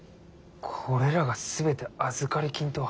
これらが全て預かり金とは。